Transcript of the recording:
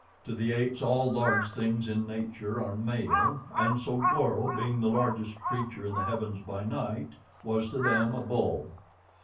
To the apes all large things in nature are male, and so Goro, being the largest creature in the heavens by night, was, to them, a bull.